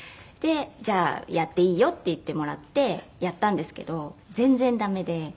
で「じゃあやっていいよ」って言ってもらってやったんですけど全然駄目で。